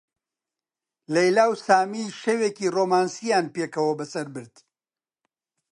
لەیلا و سامی شەوێکی ڕۆمانسییان پێکەوە بەسەر برد.